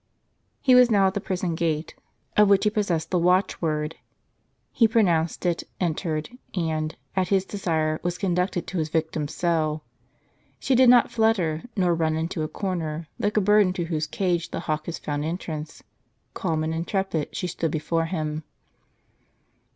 He was now at the prison gate, of which he possessed the watchword. He pronounced it, entered, and, at his desire, was conducted to his victim's cell. She did not flutter, nor run into a corner, like a bird into whose cage the hawk has found entrance ; calm and intrepid, she stood before him.